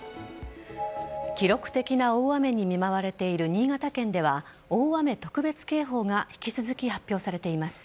記録的な大雨に見舞われている新潟県では大雨特別警報が引き続き発表されています。